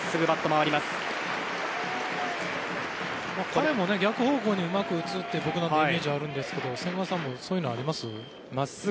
彼も逆方向にうまく打つイメージがあるんですけど千賀さんもそういうのあります？